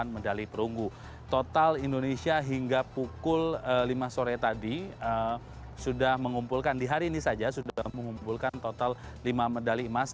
medali perunggu total indonesia hingga pukul lima sore tadi sudah mengumpulkan di hari ini saja sudah mengumpulkan total lima medali emas